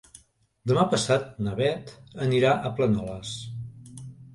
Demà passat na Bet anirà a Planoles.